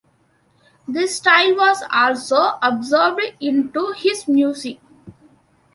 This style was also absorbed into his music.